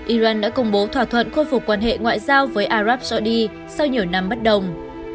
iran đã công bố thỏa thuận khôi phục quan hệ ngoại giao với arab surdy sau nhiều năm bất đồng